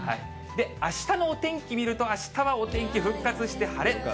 あしたのお天気見ると、あしたはお天気復活して晴れ。